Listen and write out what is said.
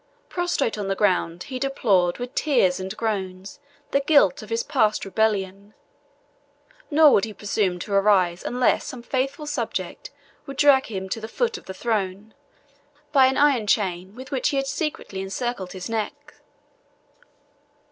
Prostrate on the ground, he deplored with tears and groans the guilt of his past rebellion; nor would he presume to arise, unless some faithful subject would drag him to the foot of the throne, by an iron chain with which he had secretly encircled his neck.